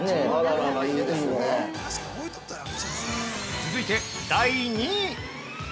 ◆続いて第２位！